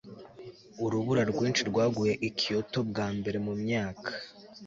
urubura rwinshi rwaguye i kyoto bwa mbere mu myaka